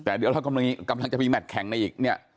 แต่เดี๋ยวเรากำลังจะมีแมทแข่งในอีกเนี่ย